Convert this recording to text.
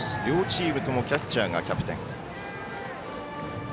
両チームともキャッチャーがキャプテン。